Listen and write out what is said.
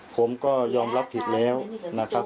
ผมก็ยอมรับผิดแล้วนะครับ